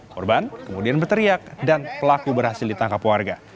korban kemudian berteriak dan pelaku berhasil ditangkap warga